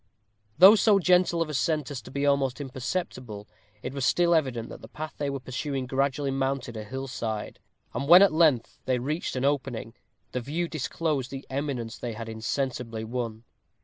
Though so gentle of ascent as to be almost imperceptible, it was still evident that the path they were pursuing gradually mounted a hill side; and when at length they reached an opening, the view disclosed the eminence they had insensibly won.